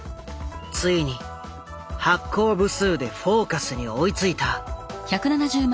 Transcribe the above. ついに発行部数で「フォーカス」に追いついた。